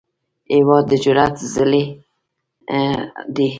هېواد د جرئت څلی دی.